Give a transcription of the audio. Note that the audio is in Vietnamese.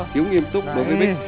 thiếu nghiêm túc đối với bích